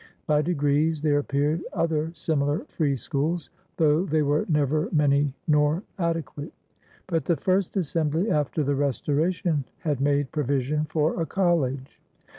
By degrees there appeared other similar free schools, though they were never many nor adequate. But the first Assembly after the Restoration had made provision for a college.